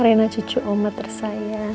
rena cucu oma tersayang